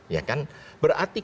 ya kan berarti